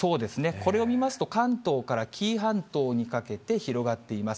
これを見ますと、関東から紀伊半島にかけて広がっています。